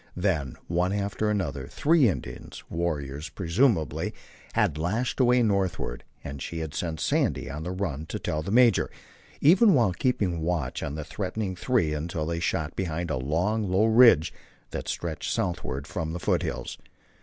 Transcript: Then, one after another, three Indians, warriors, presumably, had lashed away northward and she had sent Sandy on the run to tell the major, even while keeping watch on this threatening three until they shot behind a long, low ridge that stretched southward from the foothills.